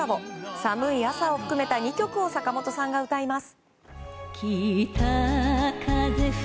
「寒い朝」を含めた２曲を坂本さんが歌います。